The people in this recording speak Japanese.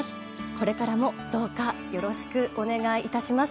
これからもどうかよろしくお願いいたします。